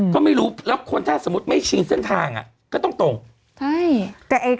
ก็ไม่รู้แล้วคนถ้าสมมุติไม่ชินเส้นทางอ่ะก็ต้องตรงใช่แต่ไอ้